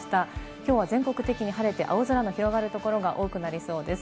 今日は全国的に晴れて青空の広がる所が多くなりそうです。